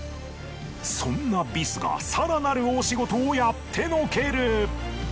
そんなビスが更なる大仕事をやってのける。